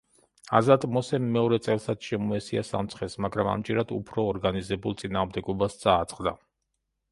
აზატ მოსე მეორე წელსაც შემოესია სამცხეს, მაგრამ ამჯერად უფრო ორგანიზებულ წინააღმდეგობას წააწყდა.